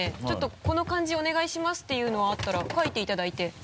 ちょっとこの漢字お願いしますていうのあったら書いていただいて。